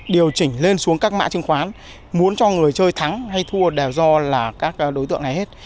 điều chỉnh lên xuống các mã chứng khoán muốn cho người chơi thắng hay thua đều do là các đối tượng này hết